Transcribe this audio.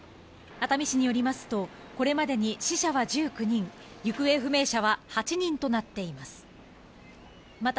熱海市によりますとこれまでに死者は１９人、行方不明者は８人となっています。